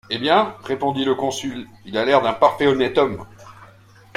Eh bien, répondit le consul, il a l’air d’un parfait honnête homme!